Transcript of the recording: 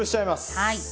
はい。